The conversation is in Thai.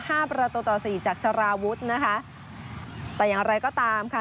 ประตูต่อสี่จากสารวุฒินะคะแต่อย่างไรก็ตามค่ะ